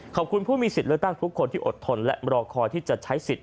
ขอบคุณผู้มีสิทธิ์เลือกตั้งทุกคนที่อดทนและรอคอยที่จะใช้สิทธิ